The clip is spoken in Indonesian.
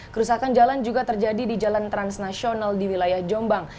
kerusakan jalan juga terjadi di jalan transnasional di wilayah jombang